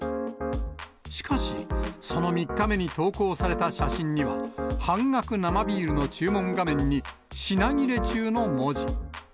しかし、その３日目に投稿された写真には、半額生ビールの注文画面に、品切れ中の文字。